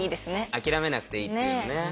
諦めなくていいっていうのね。